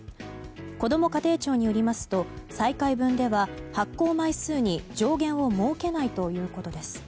こども家庭庁によりますと再開分では発行枚数に上限を設けないということです。